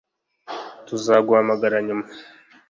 Tuzaguhamagara nyuma